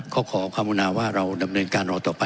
ขออนุญาตให้ถอนคำพูดด้วยค่ะ